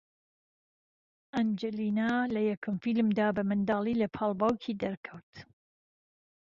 ئەنجڵینا لەیەکەم فیلمیدا بە منداڵی لەپاڵ باوکی دەرکەوت